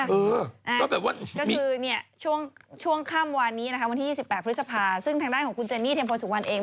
ก็คือช่วงข้ามวันนี้วันที่๒๘พฤษภาซึ่งทางด้านของคุณเจนี่เทียมพอสุดวันเอง